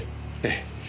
ええ。